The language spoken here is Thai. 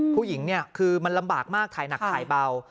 ผู้หญิงเนี่ยคือมันลำบากมากถ่ายหนักถ่ายเบา